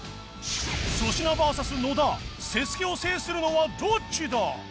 粗品 ＶＳ 野田 ＳＥＳＵＫＥ を制するのはどっちだ？